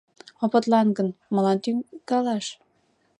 — Опытлан гын, молан тӱкалаш...